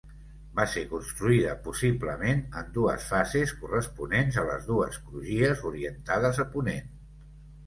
Va ser construïda possiblement en dues fases corresponents a les dues crugies orientades a ponent.